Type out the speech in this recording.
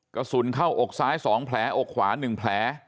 กระสุนเข้าอกซ้าย๒แผลอกขวา๑แผล